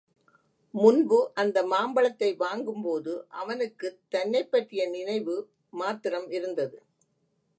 முன்பு அந்த மாம்பழத்தை வாங்கும்போது அவனுக்குத் தன்னைப் பற்றிய நினைவு மாத்திரம் இருந்தது.